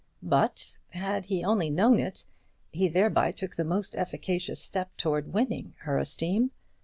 But, had he only known it, he thereby took the most efficacious step towards winning her esteem.